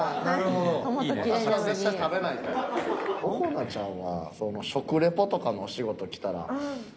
ここなちゃんは食リポとかのお仕事来たら。